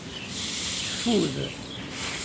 Teffud.